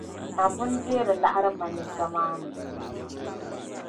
Abu n deeri laɣiri maneeka maa ni.